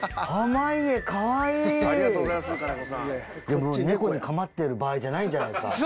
でもネコに構ってる場合じゃないんじゃないですか？